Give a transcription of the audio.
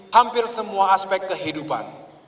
hampir semua aspek kehidupan